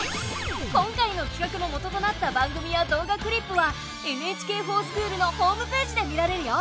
今回のきかくの元となった番組や動画クリップは「ＮＨＫｆｏｒＳｃｈｏｏｌ」のホームページで見られるよ。